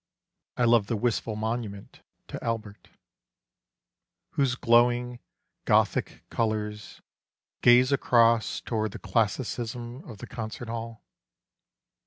I love the wistful monument to Albert— Whose glowing Gothic colours gaze across Toward the classicism of the Concert hall.